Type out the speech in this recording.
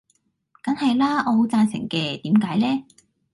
梗係啦，我好贊成嘅，點解呢